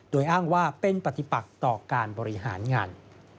โดยอ้างว่าเป็นปฏิปักต่อการบริหารงาน